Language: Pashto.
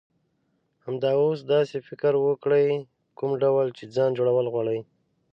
همدا اوس داسی فکر وکړه، کوم ډول چی ځان جوړول غواړی.